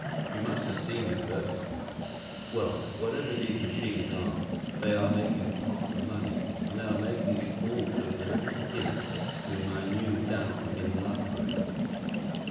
You must have seen the advertisements. Well, whatever these machines are, they are making pots of money; and they are making it all for that little imp whom I knew down in Ludbury.